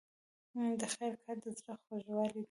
د خیر کار د زړه خوږوالی دی.